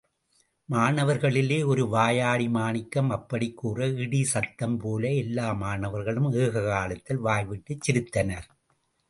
மாணவர்களிலே ஒரு வாயாடி மாணிக்கம் அப்படிக் கூற, இடி சத்தம் போல எல்லா மாணவர்களும் ஏககாலத்தில் வாய்விட்டுச் சிரித்தனர்.